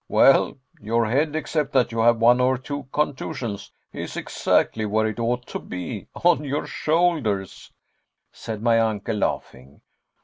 "Well, your head, except that you have one or two contusions, is exactly where it ought to be on your shoulders," said my uncle, laughing.